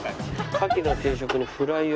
カキの定食にフライを。